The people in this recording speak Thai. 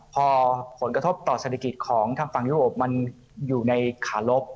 พอผลกระทบต่อเศรษฐกิจของทางฝั่งยุโรปมันอยู่ในขาลบ